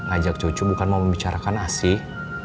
ajak cucu bukan mau membicarakan asih